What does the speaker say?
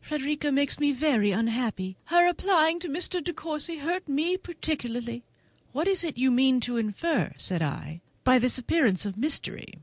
Frederica makes me very unhappy! Her applying to Mr. De Courcy hurt me particularly." "What is it you mean to infer," said I, "by this appearance of mystery?